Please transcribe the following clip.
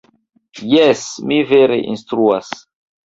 Jes, mi vere instruas.